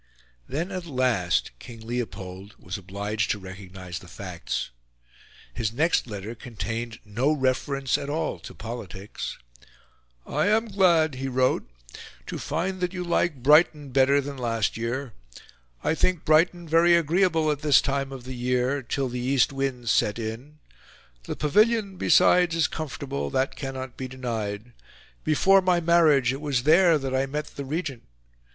Then at last King Leopold was obliged to recognise the facts. His next letter contained no reference at all to politics. "I am glad," he wrote, "to find that you like Brighton better than last year. I think Brighton very agreeable at this time of the year, till the east winds set in. The pavilion, besides, is comfortable; that cannot be denied. Before my marriage, it was there that I met the Regent.